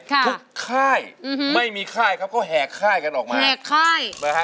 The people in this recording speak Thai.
ทุกค่ายไม่มีค่ายครับก็แหกค่ายกันออกมา